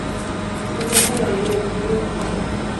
Se encuentra a la orilla del río Havel.